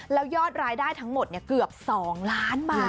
แล้วยอดรายได้ทั้งหมดเกือบ๒ล้านบาท